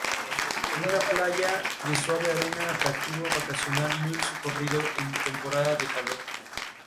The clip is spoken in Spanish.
La sucesión se expondrá en la voz Condado de Marcel de Peñalba.